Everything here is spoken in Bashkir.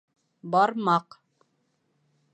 Бармаҡ